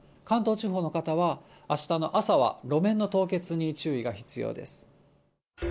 関東地方の方は、あしたの朝は路面の凍結に注意が必要です。